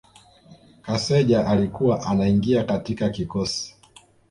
Kaseja alikuwa anaingia katika kikosi